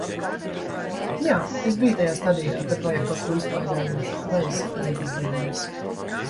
Jā, es biju tajā stadijā, kad vajag kaut ko izklaidējošu, bez dziļas domas.